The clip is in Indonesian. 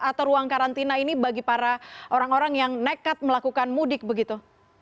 atau ruang karantina ini bagi para orang orang yang nekat melakukan mudik begitu